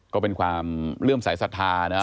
ก็เป็นความเลื่อมสายสทาเนอะ